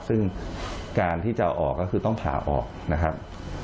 ซึ่งการที่จะออกก็คือต้องผ่าออกนะครับ